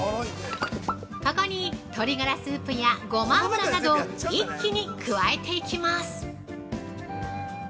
◆ここに鶏ガラスープやゴマ油など一気に加えていきます。